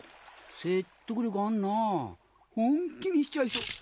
説得力あんなぁ本気にしちゃいそう。